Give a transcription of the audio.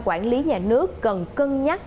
quản lý nhà nước cần cân nhắc